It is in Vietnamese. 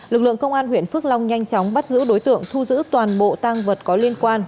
lực lượng công an huyện phước long nhanh chóng bắt giữ đối tượng thu giữ toàn bộ tăng vật có liên quan